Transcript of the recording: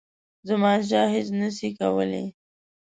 زمانشاه هیچ نه سي کولای.